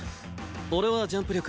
俺はジャンプ力。